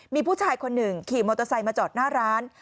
มีผู้ชายคนหนึ่งขี่มอเตอร์ไซค์มาจอดหน้าร้าน